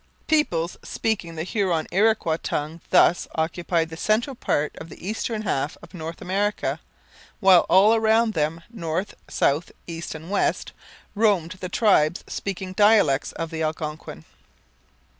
Peoples speaking the Huron Iroquois tongue thus occupied the central part of the eastern half of North America, while all around them, north, south, east, and west, roamed the tribes speaking dialects of the Algonquin.